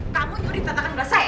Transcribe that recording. kamu nyurih tatakan gelas saya ya